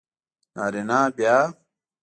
نارینه بیا